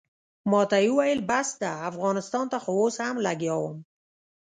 ماته یې وویل بس ده افغانستان ته خو اوس هم لګیا وم.